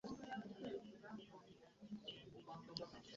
Emyaka kkumi n'etaano egiyise tubadde tweyiiya bweyiiya.